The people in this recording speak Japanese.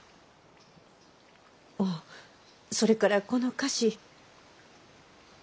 おおそれからこの菓子。